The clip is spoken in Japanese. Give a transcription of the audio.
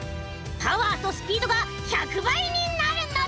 パワーとスピードが１００ばいになるのだ！